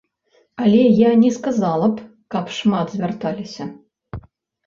Але я не сказала б, каб шмат звярталіся.